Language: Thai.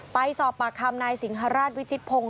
ไปสอบปากคำนายสิงหาราชวิจิตพงศ์